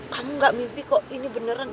kamu gak mimpi kok ini beneran